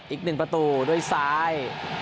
อีกหนึ่งประตูด้วยซ้าย